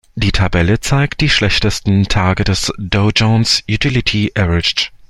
Die Tabelle zeigt die schlechtesten Tage des Dow Jones Utility Average.